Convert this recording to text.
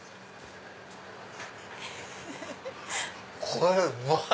これうまい！